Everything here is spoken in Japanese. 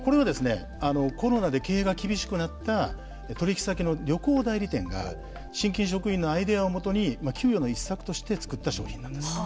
コロナで経営が厳しくなった取引先の旅行代理店が信金職員のアイデアをもとに窮余の一策として作った商品なんです。